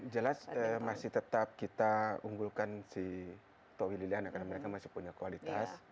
jelas masih tetap kita unggulkan si towi liliana karena mereka masih punya kualitas